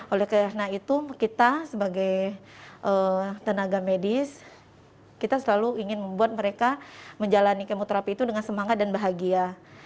oleh karena itu kita sebagai tenaga medis kita selalu ingin membuat mereka menjalani kemoterapi itu dengan semangat dan bahagia